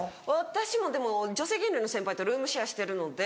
私もでも女性芸人の先輩とルームシェアしてるので。